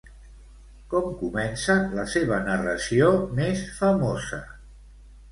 Com comença la seva narració més famosa?